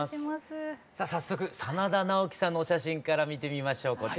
さあ早速真田ナオキさんのお写真から見てみましょう。